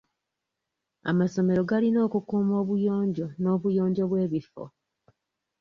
Amasomero galina okukuuma obuyonjo n'obuyonjo bw'ebifo.